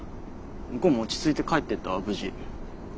向こうも落ち着いて帰ってったわ無事。